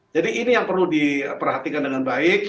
jadi ini yang perlu diperhatikan dengan baik